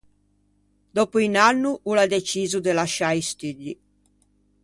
Dòppo un anno o l’à deciso de lasciâ i studdi.